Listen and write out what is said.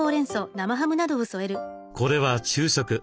これは昼食。